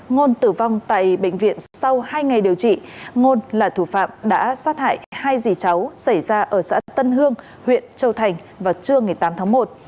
ngôn tử vong tại bệnh viện sau hai ngày điều trị ngôn là thủ phạm đã sát hại hai dì cháu xảy ra ở xã tân hương huyện châu thành vào trưa ngày tám tháng một